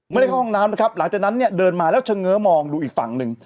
ไม่ได้เข้าห้องน้ำนะครับหลังจากนั้นเนี่ยเดินมาแล้วเฉง้อมองดูอีกฝั่งหนึ่ง